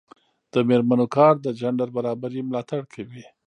د میرمنو کار د جنډر برابري ملاتړ کوي.